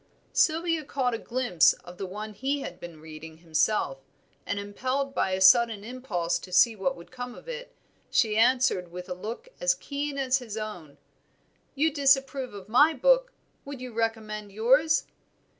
Sylvia caught a glimpse of the one he had been reading himself, and impelled by a sudden impulse to see what would come of it, she answered with a look as keen as his own "You disapprove of my book; would you recommend yours?"